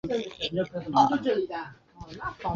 这个名词一般在使用上带有负面的意思。